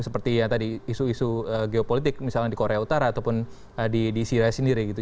seperti yang tadi isu isu geopolitik misalnya di korea utara ataupun di syria sendiri gitu